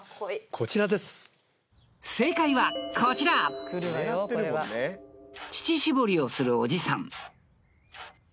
こちらです正解はこちら乳搾りをするおじさん